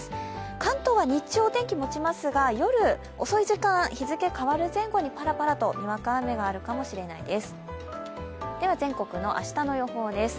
関東は日中、お天気はもちますが夜遅い時間、日付変わる前後にパラパラとにわか雨があるかもしれないです。